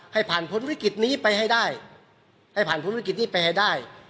ให้ผ่านพ้นวิกฤตนี้ไปให้ได้ให้ผ่านพ้นวิกฤตนี้ไปให้ได้